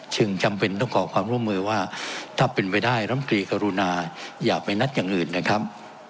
จึงจำเป็นต้องขอความร่วมมือว่าถ้าเป็นไปได้รำกรีกรุณาอย่าไปนัดอย่างอื่นนะครับ